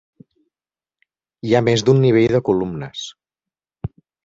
Hi ha més d'un nivell de columnes.